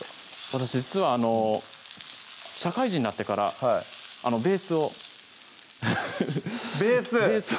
私実は社会人になってからベースをフフフッベース！